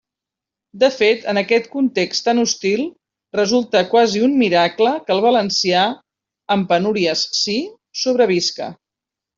De fet, en aquest context tan hostil resulta quasi un «miracle» que el valencià —amb penúries, sí— sobrevisca.